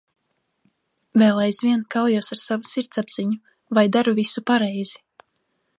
Vēl aizvien kaujos ar savu sirdsapziņu, vai daru visu pareizi.